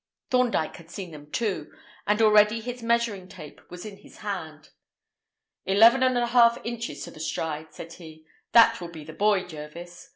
Thorndyke had seen them, too, and already his measuring tape was in his hand. "Eleven and a half inches to the stride," said he. "That will be the boy, Jervis.